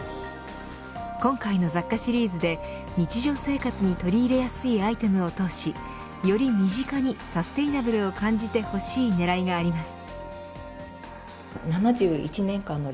今回の雑貨シリーズで日常生活に取り入れやすいアイテムを通しより身近にサステイナブルを感じてほしい狙いがあります。